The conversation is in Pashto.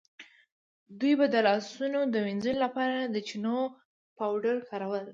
دوی به د لاسونو د وینځلو لپاره د چنو پاوډر کارول.